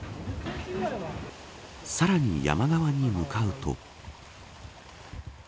さらに、山側に向かうと。